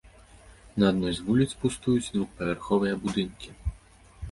На адной з вуліц пустуюць двухпавярховыя будынкі.